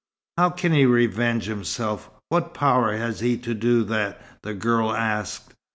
"How can he revenge himself? What power has he to do that?" the girl asked.